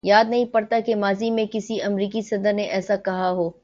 یاد نہیں پڑتا کہ ماضی میں کسی امریکی صدر نے ایسا کہا ہو۔